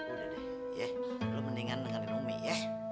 udah deh ya lo mendingan dengerin umi ya